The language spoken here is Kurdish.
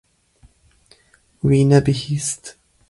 Wî nebihîst.